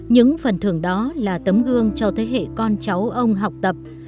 những phần thưởng đó là tấm gương cho thế hệ con cháu ông học tập